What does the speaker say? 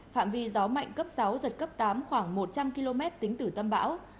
phạm vi gió mạnh nhất vùng gần tâm bão mạnh cấp sáu giật cấp tám khoảng một trăm linh km tính từ tâm bão